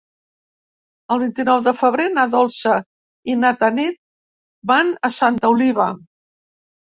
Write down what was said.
El vint-i-nou de febrer na Dolça i na Tanit van a Santa Oliva.